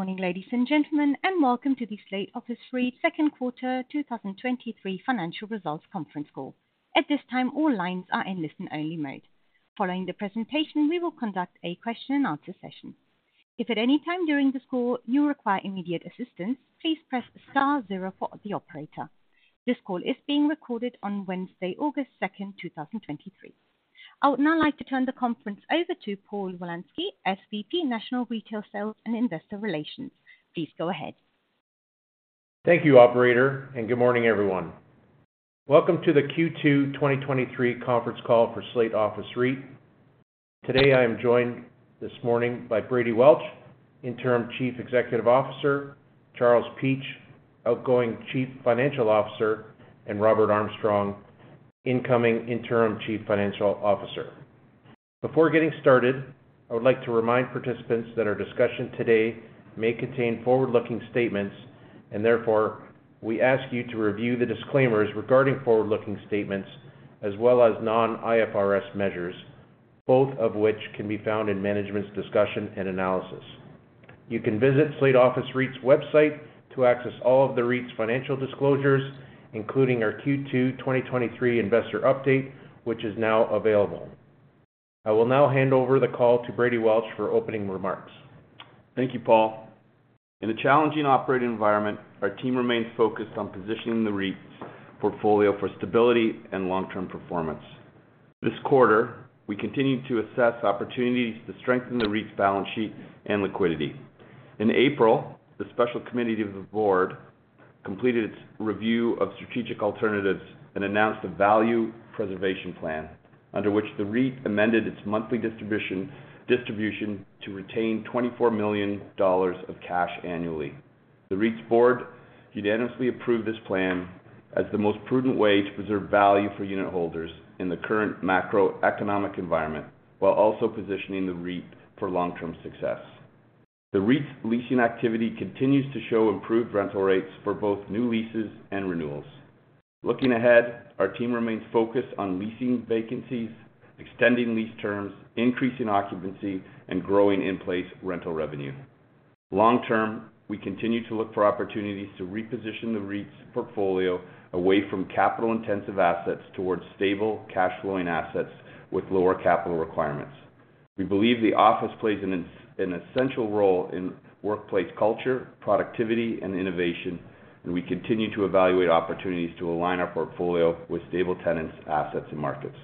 Good morning, ladies and gentlemen, and welcome to the Slate Office REIT Second Quarter 2023 Financial Results Conference Call. At this time, all lines are in listen-only mode. Following the presentation, we will conduct a question-and-answer session. If at any time during this call you require immediate assistance, please press star zero for the operator. This call is being recorded on Wednesday, August 2nd, 2023. I would now like to turn the conference over to Paul Wolanski, SVP, National Retail Sales and Investor Relations. Please go ahead. Thank you, operator. Good morning, everyone. Welcome to the Q2 2023 Conference Call for Slate Office REIT. Today, I am joined this morning by Brady Welch, Interim Chief Executive Officer, Charles Peach, outgoing Chief Financial Officer, and Robert Armstrong, incoming Interim Chief Financial Officer. Before getting started, I would like to remind participants that our discussion today may contain forward-looking statements. Therefore, we ask you to review the disclaimers regarding forward-looking statements as well as non-IFRS measures, both of which can be found in management's discussion and analysis. You can visit Slate Office REIT's website to access all of the REIT's financial disclosures, including our Q2 2023 Investor Update, which is now available. I will now hand over the call to Brady Welch for opening remarks. Thank you, Paul. In a challenging operating environment, our team remains focused on positioning the REIT's portfolio for stability and long-term performance. This quarter, we continued to assess opportunities to strengthen the REIT's balance sheet and liquidity. In April, the special committee of the board completed its review of strategic alternatives and announced a value preservation plan, under which the REIT amended its monthly distribution, distribution to retain $24 million of cash annually. The REIT's board unanimously approved this plan as the most prudent way to preserve value for unitholders in the current macroeconomic environment, while also positioning the REIT for long-term success. The REIT's leasing activity continues to show improved rental rates for both new leases and renewals. Looking ahead, our team remains focused on leasing vacancies, extending lease terms, increasing occupancy, and growing in-place rental revenue. Long term, we continue to look for opportunities to reposition the REIT's portfolio away from capital-intensive assets towards stable cash flowing assets with lower capital requirements. We believe the office plays an essential role in workplace culture, productivity, and innovation, and we continue to evaluate opportunities to align our portfolio with stable tenants, assets, and markets.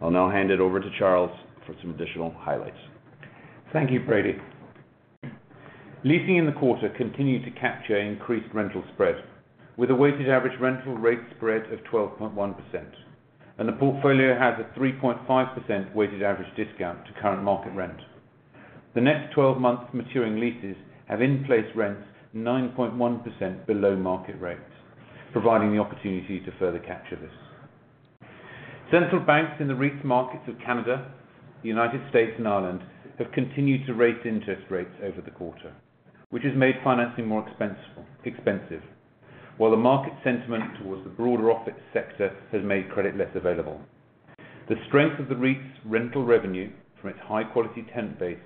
I'll now hand it over to Charles for some additional highlights. Thank you, Brady. Leasing in the quarter continued to capture increased rental spread, with a weighted average rental rate spread of 12.1%, and the portfolio has a 3.5% weighted average discount to current market rent. The next 12 months maturing leases have in-place rents 9.1% below market rates, providing the opportunity to further capture this. Central banks in the REIT's markets of Canada, United States, and Ireland have continued to raise interest rates over the quarter, which has made financing more expensive, while the market sentiment towards the broader office sector has made credit less available. The strength of the REIT's rental revenue from its high-quality tenant base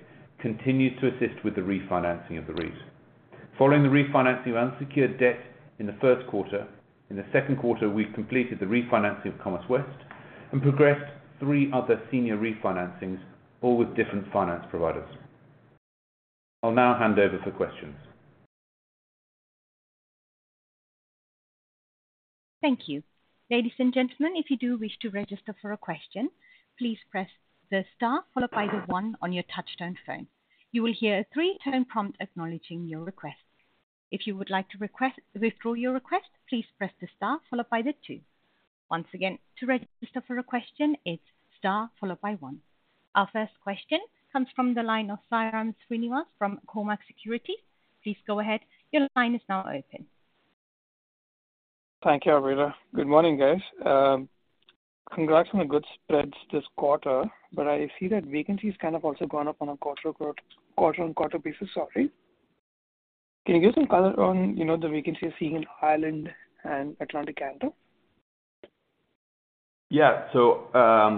continues to assist with the refinancing of the REIT. Following the refinancing of unsecured debt in the first quarter, in the second quarter, we've completed the refinancing of Commerce West and progressed three other senior refinancings, all with different finance providers. I'll now hand over for questions. Thank you. Ladies and gentlemen, if you do wish to register for a question, please press the star followed by the one on your touch-tone phone. You will hear a three-tone prompt acknowledging your request. If you would like to withdraw your request, please press the star followed by the two. Once again, to register for a question, it's star followed by one. Our first question comes from the line of Sairam Srinivas from Cormark Securities. Please go ahead. Your line is now open. Thank you, operator. Good morning, guys. Congrats on the good spreads this quarter, but I see that vacancy has kind of also gone up on a quarter on quarter basis. Sorry. Can you give some color on, you know, the vacancy you're seeing in Ireland and Atlantic Canada? Yeah.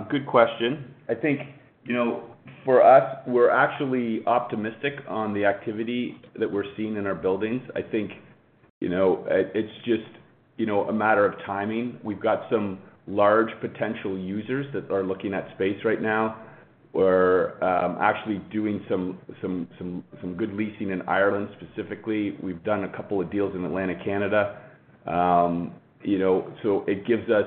Good question. I think, you know, for us, we're actually optimistic on the activity that we're seeing in our buildings. I think, you know, it, it's just, you know, a matter of timing. We've got some large potential users that are looking at space right now. We're actually doing some good leasing in Ireland, specifically. We've done a couple of deals in Atlantic Canada. You know, so it gives us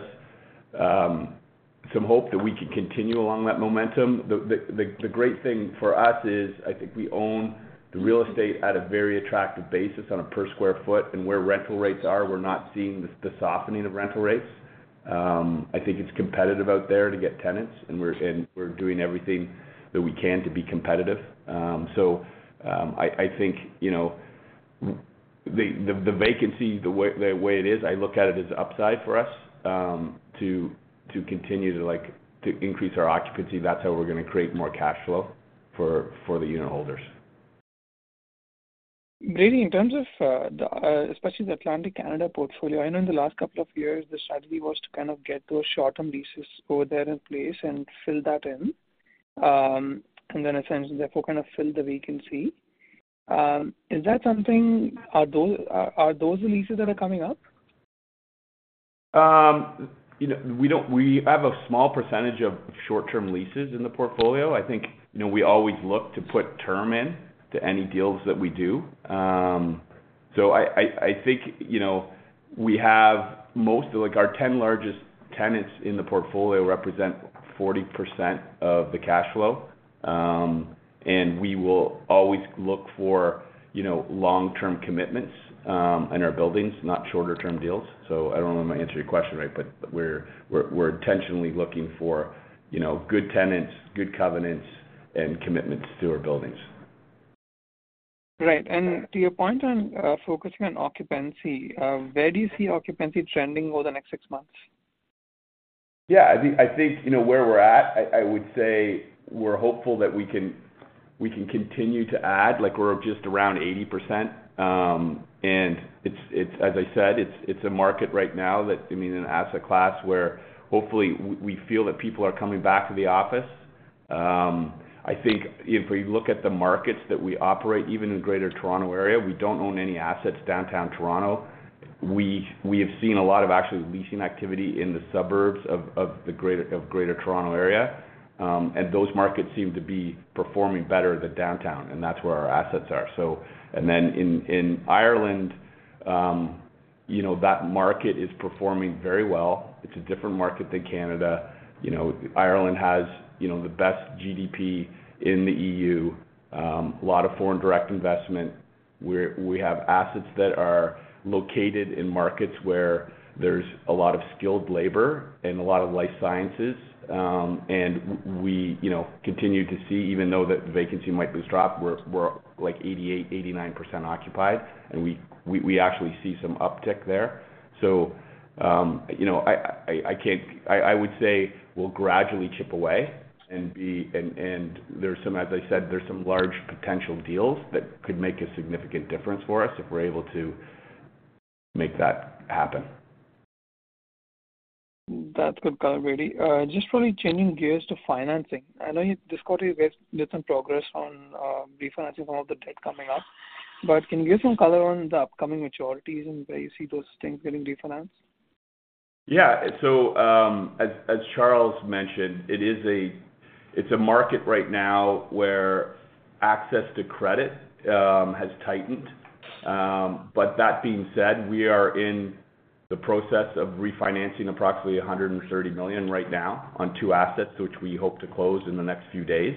some hope that we can continue along that momentum. The great thing for us is, I think we own the real estate at a very attractive basis on a per square foot, and where rental rates are, we're not seeing the softening of rental rates. I think it's competitive out there to get tenants, and we're doing everything that we can to be competitive.I, I think, you know, the, the vacancy, the way, the way it is, I look at it as upside for us, to, to continue to like, to increase our occupancy. That's how we're gonna create more cash flow for, for the unitholders. Brady, in terms of the, especially the Atlantic Canada portfolio, I know in the last couple of years, the strategy was to kind of get those short-term leases over there in place and fill that in. Then essentially therefore kind of fill the vacancy. Are those the leases that are coming up? You know, we don't-- We have a small percentage of short-term leases in the portfolio. I think, you know, we always look to put term in to any deals that we do. I think, you know, we have most of like our 10 largest tenants in the portfolio represent 40% of the cash flow. We will always look for, you know, long-term commitments in our buildings, not shorter term deals. I don't know if I answered your question right, but we're, we're, we're intentionally looking for, you know, good tenants, good covenants, and commitments to our buildings. Right. To your point on, focusing on occupancy, where do you see occupancy trending over the next six months? Yeah, I think, I think, you know, where we're at, I, I would say we're hopeful that we can, we can continue to add, like we're just around 80%. It's, it's as I said, it's, it's a market right now that, I mean, an asset class where hopefully we feel that people are coming back to the office. I think if we look at the markets that we operate, even in Greater Toronto area, we don't own any assets downtown Toronto. We, we have seen a lot of actually leasing activity in the suburbs of Greater Toronto area, and those markets seem to be performing better than downtown, and that's where our assets are. In Ireland, you know, that market is performing very well. It's a different market than Canada.You know, Ireland has, you know, the best GDP in the EU, a lot of foreign direct investment, where we have assets that are located in markets where there's a lot of skilled labor and a lot of life sciences. And we, you know, continue to see, even though that the vacancy might have dropped, we're, we're like 88%-89% occupied, and we actually see some uptick there. You know, I can't, I would say we'll gradually chip away and be, and there's some, as I said, there's some large potential deals that could make a significant difference for us if we're able to make that happen. That's good color, really. Just probably changing gears to financing. I know you discussed you made some progress on refinancing some of the debt coming up. Can you give some color on the upcoming maturities and where you see those things getting refinanced? Yeah. So, as Charles mentioned, it's a market right now where access to credit has tightened. That being said, we are in the process of refinancing approximately $130 million right now on two assets, which we hope to close in the next few days.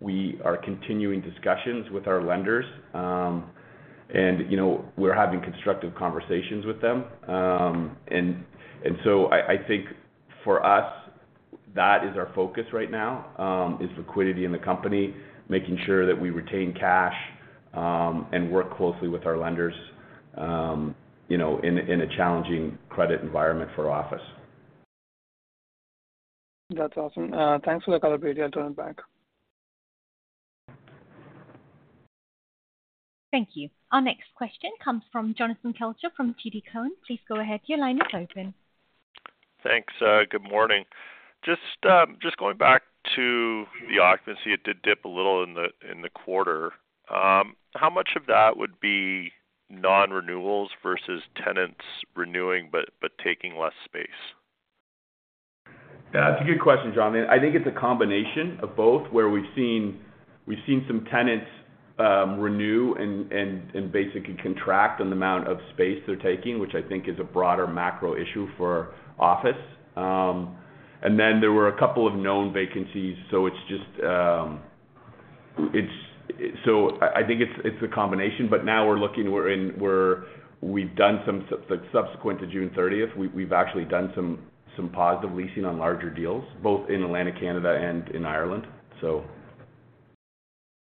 We are continuing discussions with our lenders, and, you know, we're having constructive conversations with them. So I think for us, that is our focus right now, is liquidity in the company, making sure that we retain cash, and work closely with our lenders, you know, in a challenging credit environment for office. That's awesome. Thanks for the color, Brady. I'll turn it back. Thank you. Our next question comes from Jonathan Kelcher from TD Cowen. Please go ahead. Your line is open. Thanks. Good morning. Just, just going back to the occupancy, it did dip a little in the, in the quarter. How much of that would be non-renewals versus tenants renewing but, but taking less space? That's a good question, Jonathan. I think it's a combination of both, where we've seen, we've seen some tenants, renew and, and, and basically contract on the amount of space they're taking, which I think is a broader macro issue for office. Then there were a couple of known vacancies, so it's just, so I, I think it's, it's a combination, but now we're looking, we're, we've done some, like subsequent to June 30th, we, we've actually done some, some positive leasing on larger deals, both in Atlantic Canada and in Ireland. So...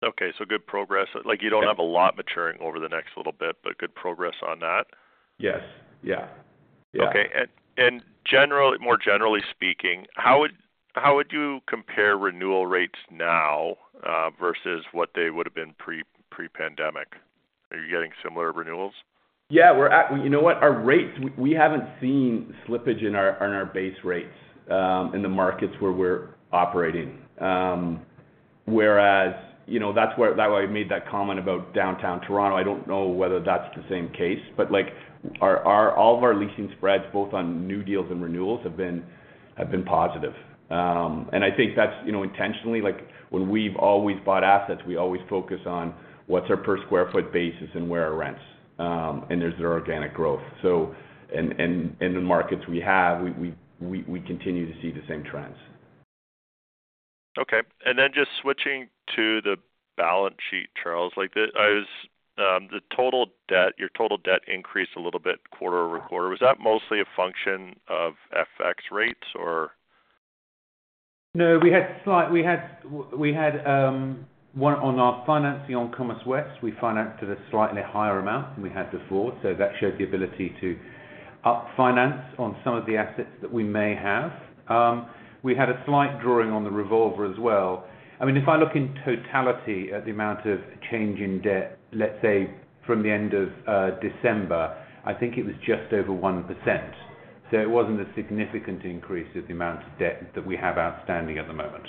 Okay, good progress. Yeah. Like, you don't have a lot maturing over the next little bit, but good progress on that. Yes. Yeah. Yeah. Okay. Generally, more generally speaking, how would, how would you compare renewal rates now, versus what they would have been pre-pandemic? Are you getting similar renewals? Yeah, we're You know what? Our rates, we, we haven't seen slippage in our, in our base rates, in the markets where we're operating. Whereas, you know, that's where, that why I made that comment about downtown Toronto. I don't know whether that's the same case, but, like, our, our, all of our leasing spreads, both on new deals and renewals, have been, have been positive. I think that's, you know, intentionally, like, when we've always bought assets, we always focus on what's our per square foot basis and where are rents, and there's our organic growth. In the markets we have, we, we, we, we continue to see the same trends. Okay. Then just switching to the balance sheet, Charles. Like, the total debt, your total debt increased a little bit quarter-over-quarter. Was that mostly a function of FX rates or? No, we had one on our financing on Commerce West. We financed at a slightly higher amount than we had before, so that showed the ability to up finance on some of the assets that we may have. We had a slight drawing on the revolver as well. I mean, if I look in totality at the amount of change in debt, let's say from the end of December, I think it was just over 1%. It wasn't a significant increase of the amount of debt that we have outstanding at the moment.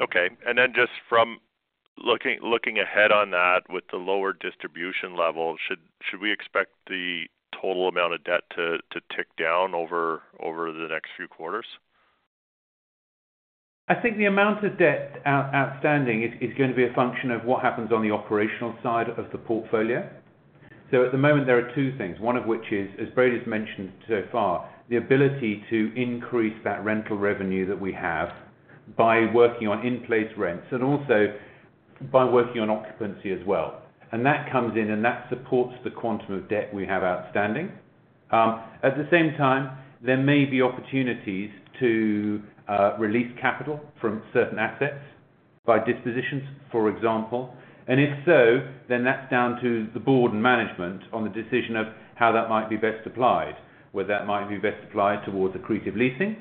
Okay, just from looking, looking ahead on that, with the lower distribution level, should we expect the total amount of debt to tick down over the next few quarters? I think the amount of debt outstanding is, is going to be a function of what happens on the operational side of the portfolio. So at the moment, there are two things. One of which is, as Brady's mentioned so far, the ability to increase that rental revenue that we have by working on in-place rents, and also by working on occupancy as well. And that comes in, and that supports the quantum of debt we have outstanding. At the same time, there may be opportunities to release capital from certain assets, by dispositions, for example. And if so, then that's down to the board and management on the decision of how that might be best applied, whether that might be best applied towards accretive leasing,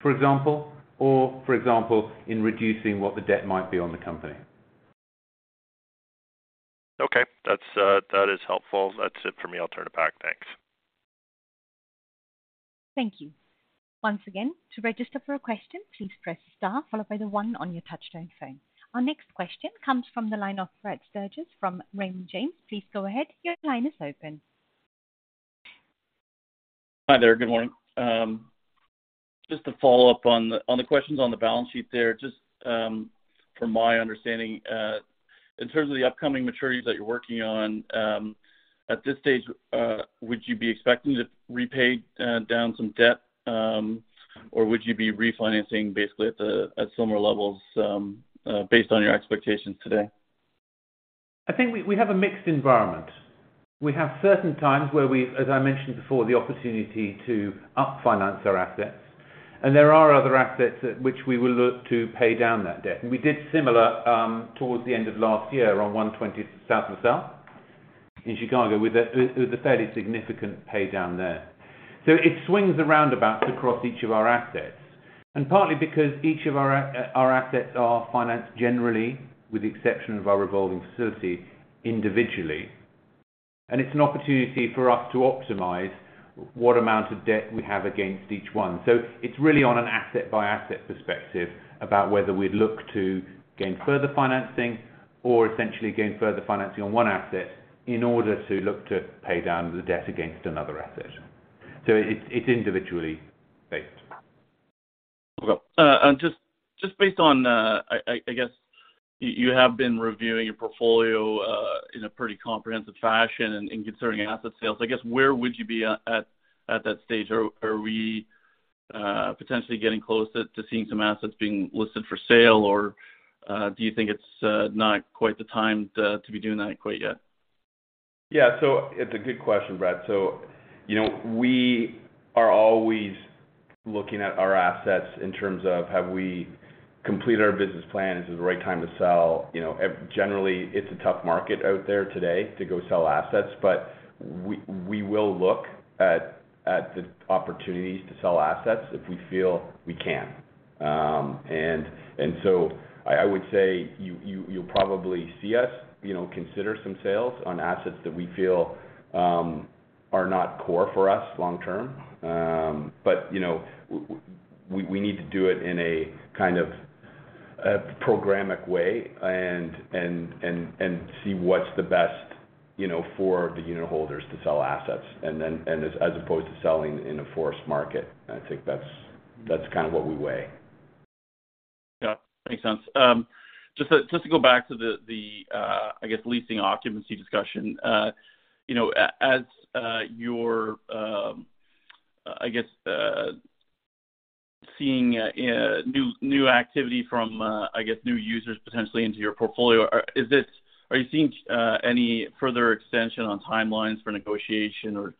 for example, or for example, in reducing what the debt might be on the company. Okay. That's, that is helpful. That's it for me. I'll turn it back. Thanks. Thank you. Once again, to register for a question, please press star followed by the one on your touchtone phone. Our next question comes from the line of Brad Sturges from Raymond James. Please go ahead. Your line is open. Hi there. Good morning. Just to follow up on the, on the questions on the balance sheet there, just, from my understanding, in terms of the upcoming maturities that you're working on, at this stage, would you be expecting to repay down some debt, or would you be refinancing basically at similar levels, based on your expectations today? I think we, we have a mixed environment. We have certain times where we've, as I mentioned before, the opportunity to up finance our assets. There are other assets at which we will look to pay down that debt. We did similar towards the end of last year on 120 South LaSalle in Chicago, with a fairly significant pay down there. It swings around about across each of our assets, and partly because each of our our assets are financed generally, with the exception of our revolving facility, individually. It's an opportunity for us to optimize what amount of debt we have against each one.It's really on an asset-by-asset perspective about whether we'd look to gain further financing or essentially gain further financing on one asset in order to look to pay down the debt against another asset. It's, it's individually based. Okay. just based on, I guess you have been reviewing your portfolio in a pretty comprehensive fashion and considering asset sales. I guess, where would you be at that stage? Are we potentially getting closer to seeing some assets being listed for sale? Do you think it's not quite the time to be doing that quite yet? Yeah. It's a good question, Brad. You know, we are always looking at our assets in terms of have we completed our business plan? Is this the right time to sell? You know, generally, it's a tough market out there today to go sell assets, but we, we will look at, at the opportunities to sell assets if we feel we can. And so I, I would say, you, you, you'll probably see us, you know, consider some sales on assets that we feel are not core for us long term. You know, we, we need to do it in a kind of a programmatic way and, and, and, and see what's the best, you know, for the unitholders to sell assets, and then, and as, as opposed to selling in a forced market.I think that's, that's kind of what we weigh. Yeah, makes sense. Just to, just to go back to the, the, I guess, leasing occupancy discussion, you know, as you're, I guess, seeing new, new activity from, I guess, new users potentially into your portfolio, are you seeing any further extension on timelines for negotiation or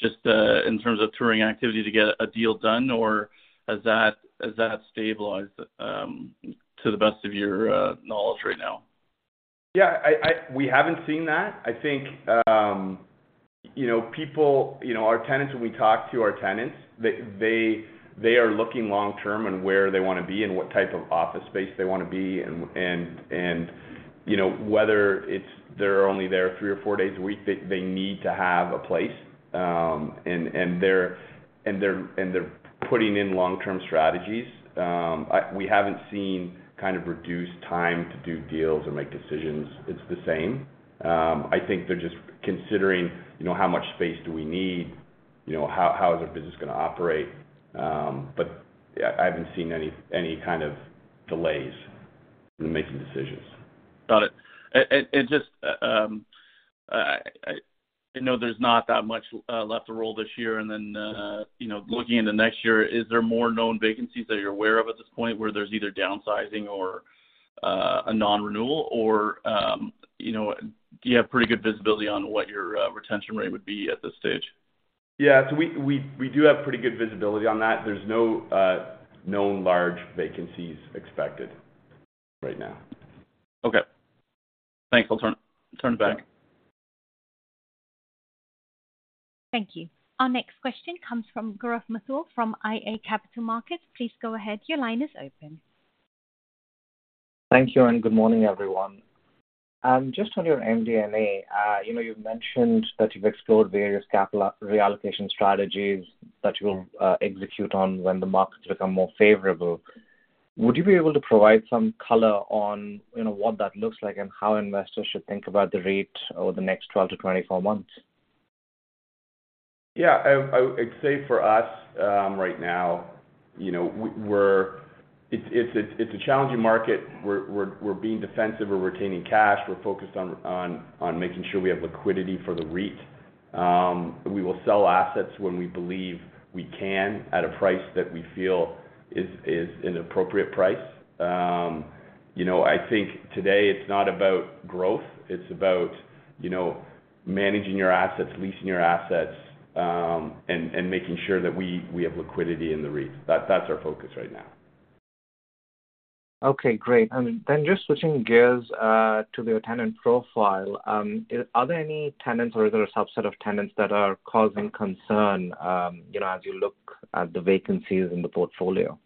just, in terms of touring activity to get a deal done, or has that, has that stabilized to the best of your knowledge right now? Yeah, I. We haven't seen that. I think, you know, people, you know, our tenants, when we talk to our tenants, they, they, they are looking long term and where they want to be and what type of office space they want to be. You know, whether it's they're only there three or four days a week, they, they need to have a place, and they're putting in long-term strategies. We haven't seen kind of reduced time to do deals or make decisions. It's the same. I think they're just considering, you know, how much space do we need? You know, how, how is our business going to operate? I haven't seen any, any kind of delays in making decisions. Got it. And, and just, I know there's not that much, left to roll this year, and then, you know, looking into next year, is there more known vacancies that you're aware of at this point, where there's either downsizing or, a non-renewal, or, you know, do you have pretty good visibility on what your, retention rate would be at this stage? Yeah, we, we, we do have pretty good visibility on that. There's no known large vacancies expected right now. Okay. Thanks. I'll turn, turn it back. Thank you. Our next question comes from Gaurav Mathur, from iA Capital Markets. Please go ahead. Your line is open. Thank you, and good morning, everyone. Just on your MD&A, you know, you've mentioned that you've explored various capital reallocation strategies that you will execute on when the markets become more favorable. Would you be able to provide some color on, you know, what that looks like and how investors should think about the REIT over the next 12-24 months? Yeah. I, I would say for us, right now, you know, it's, it's, it's a challenging market. We're, we're, we're being defensive. We're retaining cash. We're focused on, on, on making sure we have liquidity for the REIT. We will sell assets when we believe we can, at a price that we feel is, is an appropriate price. You know, I think today it's not about growth, it's about, you know, managing your assets, leasing your assets, and, and making sure that we, we have liquidity in the REIT. That's our focus right now. Okay, great. just switching gears to your tenant profile. Are there any tenants or are there a subset of tenants that are causing concern, you know, as you look at the vacancies in the portfolio?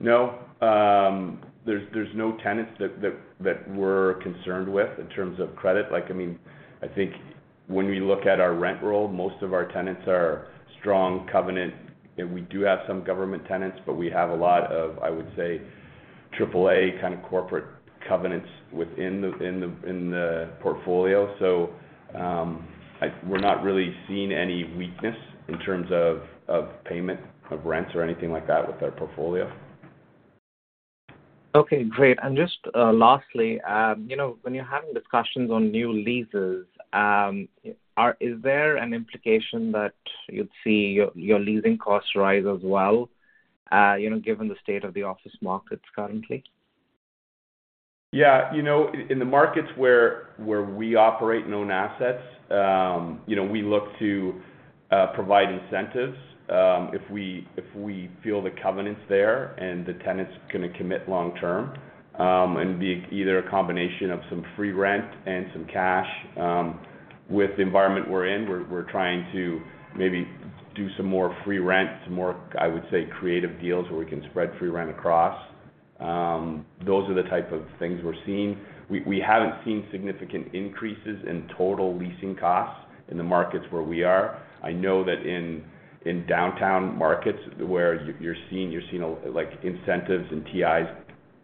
No. There's, there's no tenants that, that, that we're concerned with in terms of credit. Like, I mean, I think when we look at our rent roll, most of our tenants are strong covenant. We do have some government tenants, but we have a lot of, I would say, AAA kind of corporate covenants within the, in the, in the portfolio. We're not really seeing any weakness in terms of, of payment, of rents or anything like that with our portfolio. Okay, great. Just, lastly, you know, when you're having discussions on new leases, is there an implication that you'd see your, your leasing costs rise as well, you know, given the state of the office markets currently? Yeah. You know, in, in the markets where, where we operate known assets, you know, we look to provide incentives, if we, if we feel the covenant's there and the tenant's gonna commit long term. Be either a combination of some free rent and some cash. With the environment we're in, we're, we're trying to maybe do some more free rent, some more, I would say, creative deals, where we can spread free rent across. Those are the type of things we're seeing. We, we haven't seen significant increases in total leasing costs in the markets where we are. I know that in, in downtown markets, where you're seeing, you're seeing, like, incentives and TIs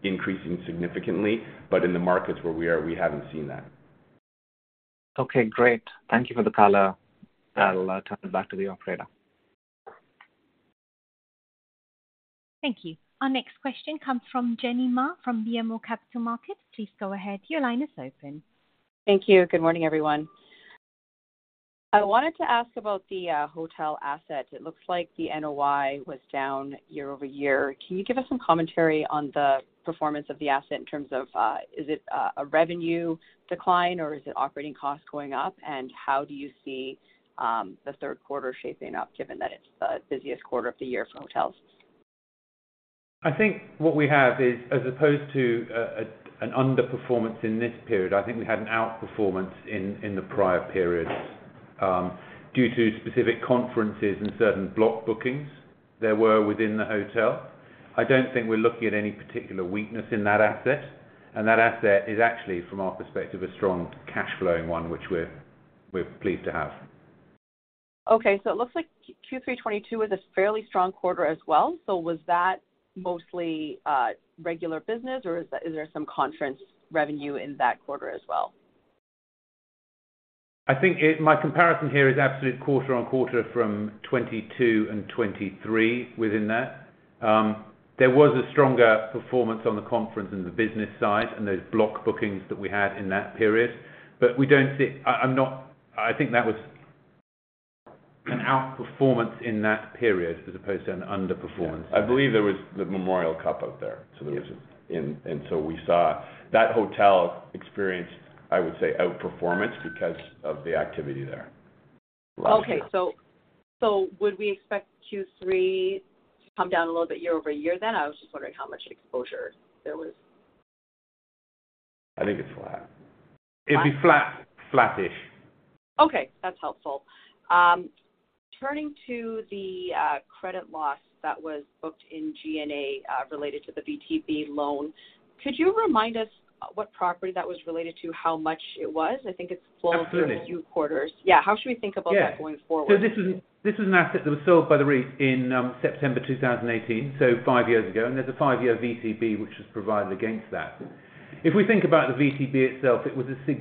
increasing significantly, but in the markets where we are, we haven't seen that. Okay, great. Thank you for the color. I'll turn it back to the operator. Thank you. Our next question comes from Jenny Ma, from BMO Capital Markets. Please go ahead. Your line is open. Thank you. Good morning, everyone. I wanted to ask about the hotel asset. It looks like the NOI was down year-over-year. Can you give us some commentary on the performance of the asset in terms of, is it a revenue decline, or is it operating costs going up? How do you see the third quarter shaping up, given that it's the busiest quarter of the year for hotels? I think what we have is, as opposed to an underperformance in this period, I think we had an outperformance in, in the prior periods. Due to specific conferences and certain block bookings there were within the hotel. I don't think we're looking at any particular weakness in that asset, and that asset is actually, from our perspective, a strong cash flowing one, which we're pleased to have. Okay. It looks like Q3 2022 is a fairly strong quarter as well. Was that mostly, regular business, or is, is there some conference revenue in that quarter as well? I think my comparison here is absolute quarter on quarter from 2022 and 2023, within that. There was a stronger performance on the conference and the business side, and those block bookings that we had in that period. We don't see. I'm not. I think that was an outperformance in that period, as opposed to an underperformance. I believe there was the Memorial Cup out there, so there was- Yeah. We saw that hotel experience, I would say, outperformance because of the activity there last year. Okay. Would we expect Q3 to come down a little bit year-over-year then? I was just wondering how much exposure there was. I think it's flat. It'd be flat, flattish. Okay, that's helpful. Turning to the credit loss that was booked in G&A, related to the VTB loan, could you remind us what property that was related to, how much it was? I think it's closed- Absolutely For a few quarters. Yeah. How should we think about that going forward? Yeah. This was an asset that was sold by the REIT in September 2018, so five years ago. There's a five-year VTB which was provided against that. If we think about the VTB itself, it was a small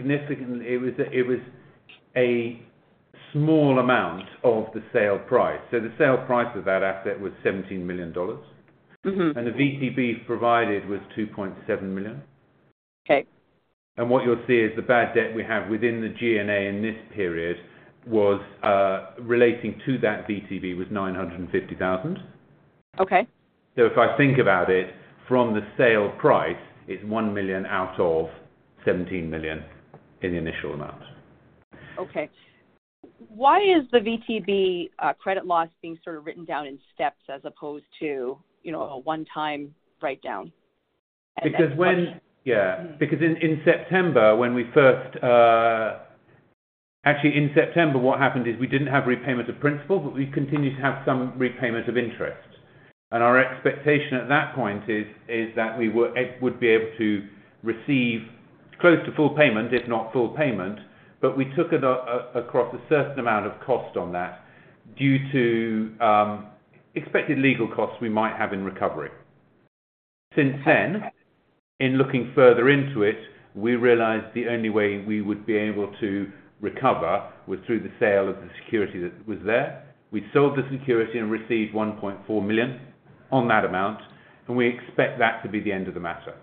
amount of the sale price. The sale price of that asset was 17 million dollars. Mm-hmm. The VTB provided was $2.7 million. Okay. What you'll see is the bad debt we have within the G&A in this period was relating to that VTB, was $950,000. Okay. If I think about it, from the sale price, it's $1 million out of $17 million in the initial amount. Okay. Why is the VTB, credit loss being sort of written down in steps, as opposed to, you know, a one-time write-down? Because.Yeah.Because in September, when we first... Actually, in September, what happened is we didn't have repayment of principal, but we continued to have some repayment of interest. Our expectation at that point is that we would be able to receive close to full payment, if not full payment. We took it across a certain amount of cost on that due to expected legal costs we might have in recovery. Since then, in looking further into it, we realized the only way we would be able to recover was through the sale of the security that was there. We sold the security and received $1.4 million on that amount, and we expect that to be the end of the matter.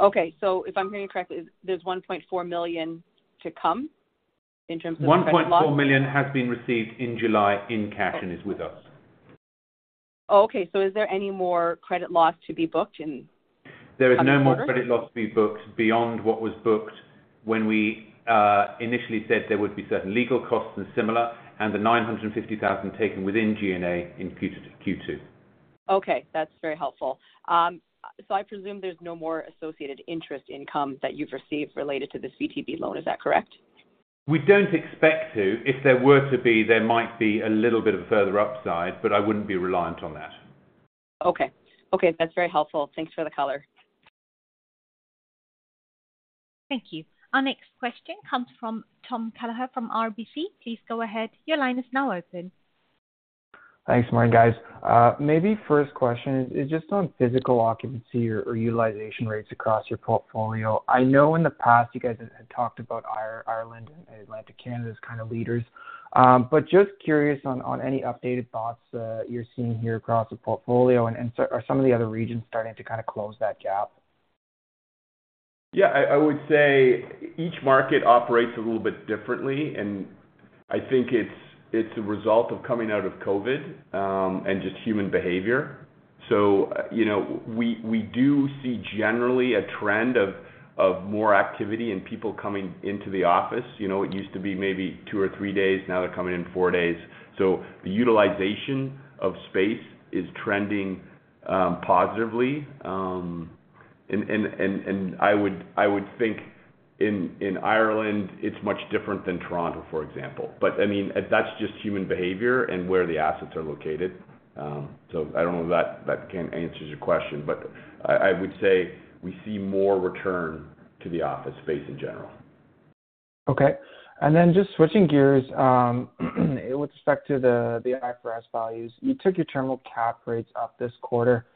Okay. If I'm hearing correctly, there's $1.4 million to come in terms of credit loss? $1.4 million has been received in July in cash and is with us. Okay. Is there any more credit loss to be booked in coming quarters? There is no more credit loss to be booked beyond what was booked when we initially said there would be certain legal costs and similar, and the $950,000 taken within G&A in Q2. Okay, that's very helpful. So I presume there's no more associated interest income that you've received related to this VTB loan. Is that correct? We don't expect to. If there were to be, there might be a little bit of further upside, but I wouldn't be reliant on that. Okay. Okay, that's very helpful. Thanks for the color. Thank you. Our next question comes from Tom Callaghan from RBC. Please go ahead. Your line is now open. Thanks, morning, guys. maybe first question is just on physical occupancy or utilization rates across your portfolio. I know in the past you guys had talked about Ireland and Atlantic Canada as kind of leaders. Just curious on any updated thoughts, you're seeing here across the portfolio, so are some of the other regions starting to kind of close that gap? Yeah, I, I would say each market operates a little bit differently, and I think it's, it's a result of coming out of COVID, and just human behavior. You know, we, we do see generally a trend of, of more activity and people coming into the office. You know, it used to be maybe two or three days, now they're coming in four days. The utilization of space is trending positively. And I would, I would think in Ireland, it's much different than Toronto, for example. I mean, that's just human behavior and where the assets are located.I don't know if that, that answers your question, but I, I would say we see more return to the office space in general. Okay. Just switching gears, with respect to the IFRS values, you took your terminal cap rates up this quarter.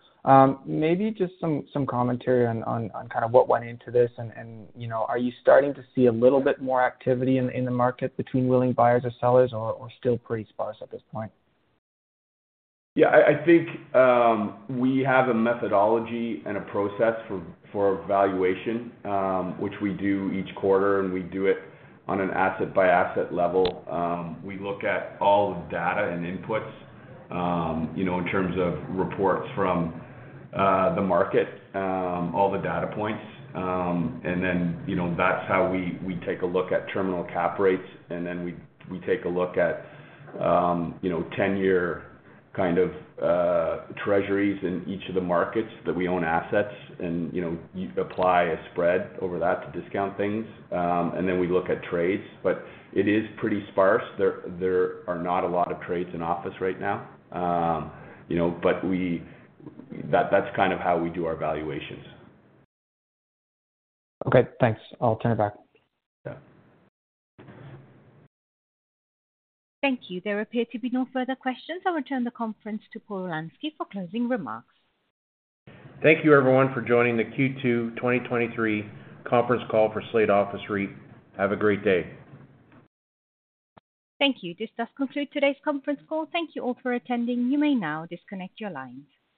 Maybe just some, some commentary on, on, on kind of what went into this and, and, you know, are you starting to see a little bit more activity in, in the market between willing buyers or sellers, or, or still pretty sparse at this point? Yeah, I think, we have a methodology and a process for valuation, which we do each quarter, and we do it on an asset-by-asset level. We look at all the data and inputs, you know, in terms of reports from the market, all the data points. Then, you know, that's how we take a look at terminal cap rates, and then we take a look at, you know, 10-year kind of treasuries in each of the markets that we own assets and, you know, apply a spread over that to discount things. Then we look at trades, but it is pretty sparse. There are not a lot of trades in office right now. You know, but we... That's kind of how we do our valuations. Okay, thanks. I'll turn it back. Yeah. Thank you. There appear to be no further questions. I'll return the conference to Paul Wolanski for closing remarks. Thank you, everyone, for joining the Q2 2023 Conference Call for Slate Office REIT. Have a great day. Thank you. This does conclude today's conference call. Thank you all for attending. You may now disconnect your lines.